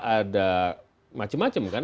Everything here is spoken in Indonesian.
ada macem macem kan